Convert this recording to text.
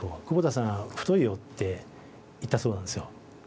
「久保田さん太いよ」って言ったそうなんですよ。